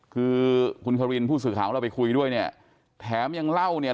คือคุณคารินผู้สื่อข่าวของเราไปคุยด้วยเนี่ยแถมยังเล่าเนี่ย